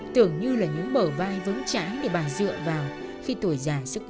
tưởng như là những bở vai vững chãi để bà dựa vào khi tuổi già sức yếu